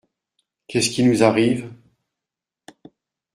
Qu’est ce qui nous arrive ?